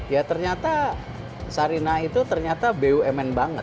ya ternyata sarina itu ternyata bumn banget